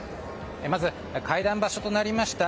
まず、会談場所となりました